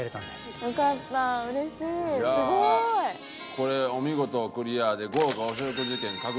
これお見事クリアで豪華お食事券獲得。